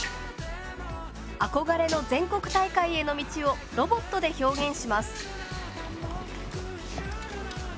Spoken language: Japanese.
憧れの全国大会への道をロボットで表現します。